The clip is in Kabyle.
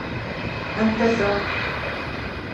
Anta ta?